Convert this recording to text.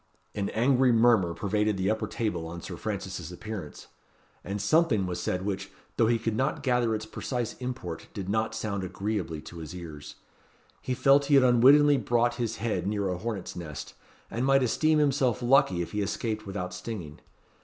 An angry murmur pervaded the upper table on Sir Francis's appearance; and something was said which, though he could not gather its precise import did not sound agreeably to his ears. He felt he had unwittingly brought his head near a hornet's nest, and might esteem himself lucky if he escaped without stinging.